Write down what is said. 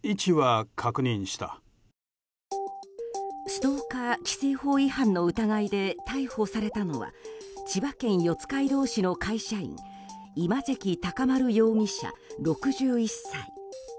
ストーカー規制法違反の疑いで逮捕されたのは千葉県四街道市の会社員今関尊丸容疑者、６１歳。